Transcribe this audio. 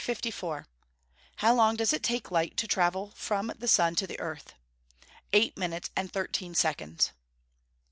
How long does light take to travel from the sun to the earth? Eight minutes and thirteen seconds.